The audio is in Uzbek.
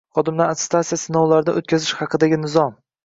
“Xodimlarni attestatsiya sinovlaridan o‘tkazish haqida”gi nizom